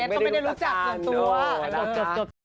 เฮดก็ไม่ได้รู้จักส่วนตัวโอ้นะโอ้นะสั่งคงไม่ได้รู้จัก